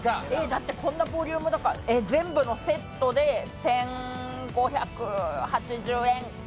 だってこんなボリュームだから、全部のセットで１５８０円。